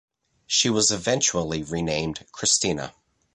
She was eventually renamed "Cristina".